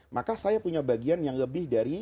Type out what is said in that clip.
maka saya punya bagian yang lebih dari